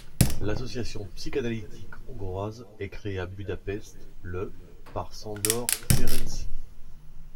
L'Association psychanalytique hongroise est créée à Budapest, le par Sándor Ferenczi.